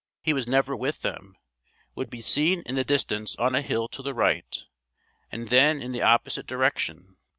He was never with them, would be seen in the distance on a hill to the right, and then in the opposite direction.